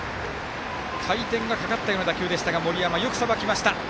回転がかかったような打球でしたが森山、よくさばきました。